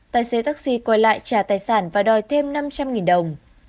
tài xế taxi quay lại trả tài sản và đòi thêm năm trăm linh đồng